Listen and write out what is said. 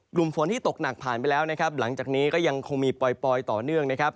กลุ่มฝนที่ตกหนักผ่านไปแล้วนะครับหลังจากนี้ก็ยังคงมีปล่อยต่อเนื่องนะครับ